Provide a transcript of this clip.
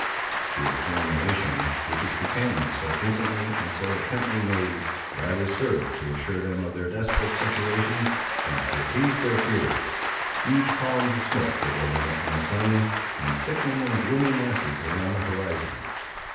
The examination, which his companions so instantly and so intently made, rather served to assure them of their desperate situation, than to appease their fears. Huge columns of smoke were rolling up from the plain, and thickening in gloomy masses around the horizon.